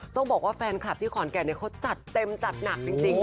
ต้องบอกว่าแฟนคลับที่ขอนแก่นเขาจัดเต็มจัดหนักจริง